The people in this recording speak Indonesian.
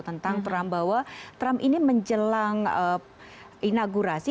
tentang trump bahwa trump ini menjelang inaugurasi